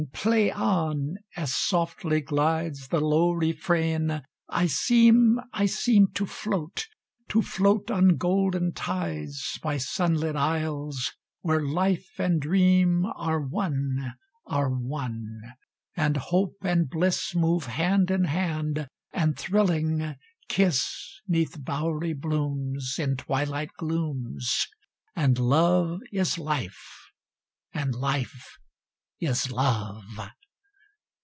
Play on! As softly glidesThe low refrain, I seem, I seemTo float, to float on golden tides, By sunlit isles, where life and dreamAre one, are one; and hope and blissMove hand in hand, and thrilling, kiss'Neath bowery blooms, In twilight glooms, And love is life, and life is love.